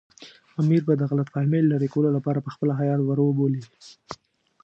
امیر به د غلط فهمۍ لرې کولو لپاره پخپله هیات ور وبولي.